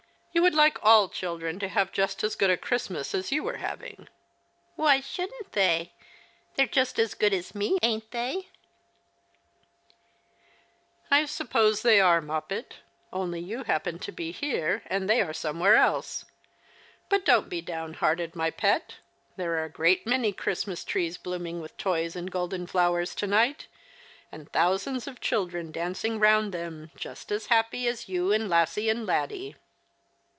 You would like all children to have just as good a Christmas as you are having." " Why shouldn't they ? They're just as good as me, ain't they ?" The Christmas Hirelings. 159 "I suppose they are, Moppet; only you happen to be here and they are somewhere else. But don't be down hearted, my pet ; there are a great many Christmas trees blooming with toys and golden flowers to night, and thousands of children dancing round them, just as happy as you and Lassie and Laddie."